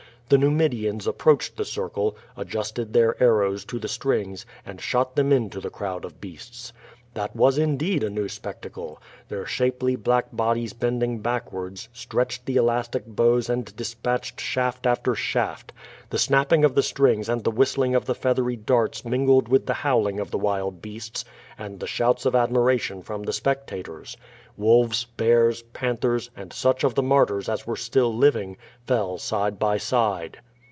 Tbe Xumidians approached tlie circle, adjusted their arrows to the strings, and shot them into tlie crowd of beasts. That was indeed a new spectacle! Tlieir shapely black bodies bending backwards, stretched the elastic bows and dispatched shaft after shaft. The snapj)ing of the strings and the whistling of the feathery darts mingled with the howling of the wild beasts and the sliouts of admiration from tlie spectators. Wolves, bears, panthers, and such of the martyrs as were still living, fell side by side.